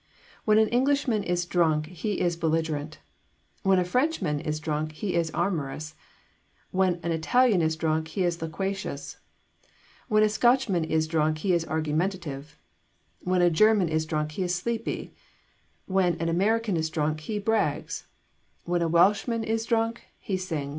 When an Englishman is drunk he is belligerent; when a Frenchman is drunk he is amorous; when an Italian is drunk he is loquacious; when a Scotchman is drunk he is argumentative; when a German is drunk he is sleepy; when an American is drunk he brags; and when a Welshman is drunk he sings.